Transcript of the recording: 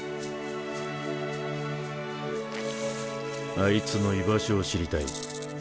あいつの居場所を知りたい。